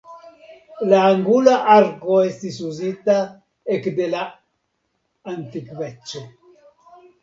La angula arko estis uzita ekde la antikveco.